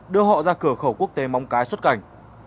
sửa khẩu quốc tế mong cái xuất cảnh